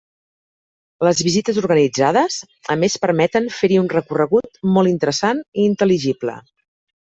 Les visites organitzades, a més, permeten fer-hi un recorregut molt interessant i intel·ligible.